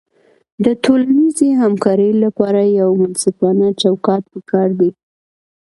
د ټولنیزې همکارۍ لپاره یو منصفانه چوکاټ پکار دی.